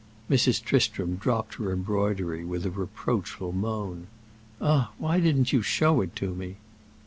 Mrs. Tristram dropped her embroidery with a reproachful moan. "Ah, why didn't you show it to me?"